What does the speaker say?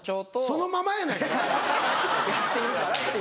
そのままやないか。